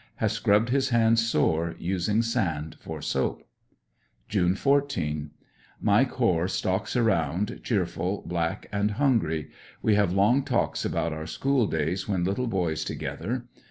Has scrubbed his hands sore, using sand for soap . June 14.— Mike Hoare stalks around, cheerful, black and hungry. We have long talks about our school days when little boys together.